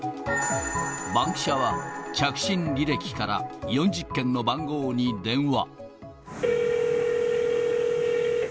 バンキシャ！は着信履歴から４０件の番号に電話。